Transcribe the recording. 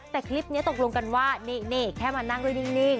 แต่คลิปนี้ตกลงกันว่านี่แค่มานั่งด้วยนิ่ง